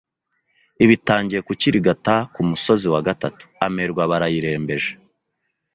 iba itangiye kukirigata Ku musozi wa gatatu, amerwe aba arayirembeje